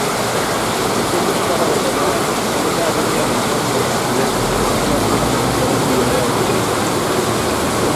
«Durmuş garalama däl, ony täzeden ýazyp bolmaýar» diýen akylam depderçeleriň birine ýazypdyň.